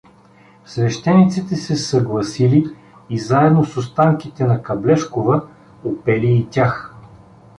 Свещениците се съгласили и заедно с останките на Каблешкова опели и тях.